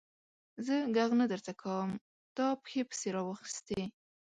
زه ږغ نه درته کوم؛ تا پښې پسې را واخيستې.